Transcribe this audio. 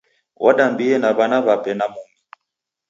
Wadambie na w'anake w'ape na mumi.